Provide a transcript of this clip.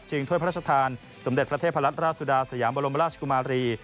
จริงถ้วยพระชะทานสำเด็จประเทศพระรัชราชสุดาสยามบรมราชกุมารี